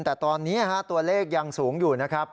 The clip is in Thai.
แต่ตอนนี้ตัวเลขยังสูงอยู่นะครับ